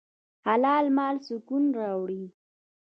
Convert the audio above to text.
حلال مال سکون راوړي.